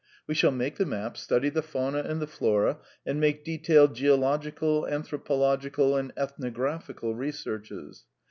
We shall make the map, study the fauna and the flora, and make detailed geological, anthropological, and ethnographical researches.